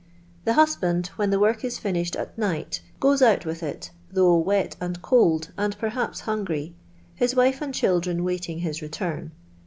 The husband, when the work is finished at night, goes out with it, though wet and cold, and perhaps hungry — his wifs and children wait ing his return.